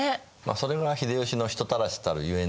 それが秀吉の人たらしたるゆえんですね。